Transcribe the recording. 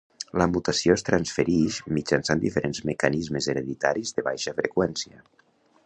La mutació es transferix mitjançant diferents mecanismes hereditaris de baixa freqüència.